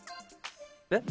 えっ？